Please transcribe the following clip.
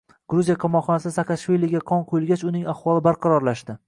Gruziya qamoqxonasida Saakashviliga qon quyilgach, uning ahvoli barqarorlashdi